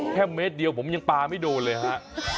เมตรเดียวผมยังปลาไม่โดนเลยฮะ